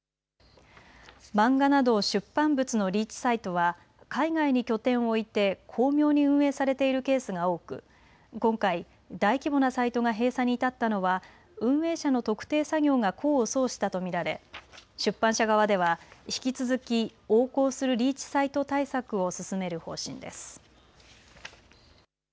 漫画など出版物のリーチサイトは海外に拠点を置いて巧妙に運営されているケースが多く今回、大規模なサイトが閉鎖に至ったのは運営者の特定作業が功を奏したと見られ出版社側では引き続き横行するリーチサイト対策を進める方針です。